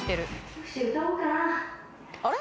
あれ？